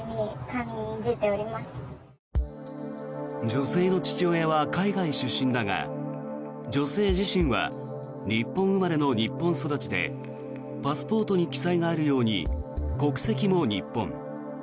女性の父親は海外出身だが女性自身は日本生まれの日本育ちでパスポートに記載があるように国籍も日本。